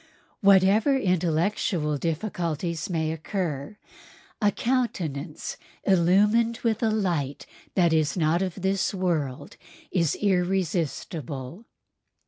Whatever intellectual difficulties may occur, a countenance illumined with a light that is not of this world is irresistible.